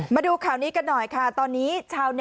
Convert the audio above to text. มาดูข่าวนี้กันหน่อยค่ะตอนนี้ชาวเน็